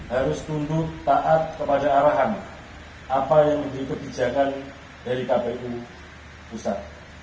harus tunduk taat kepada arahan apa yang dikebijakan dari kpu pusat